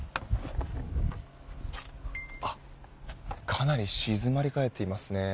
かなり静まり返っていますね。